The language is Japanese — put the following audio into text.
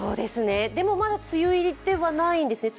でも、梅雨入りではないんですよね？